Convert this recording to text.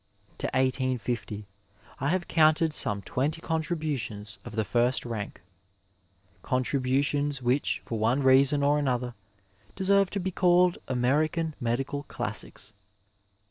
To 1850, I have counted some twenty contributions of the first rank, con tributions which for one reason or another deserve to be called American medical classics.